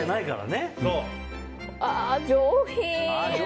ああ、上品！